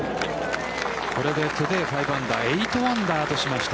これでトゥデイ５アンダー８アンダーとしました。